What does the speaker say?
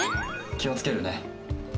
気を付けるね。